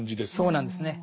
そうなんですね。